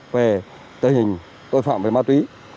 về tình hình tội phạm về ma túy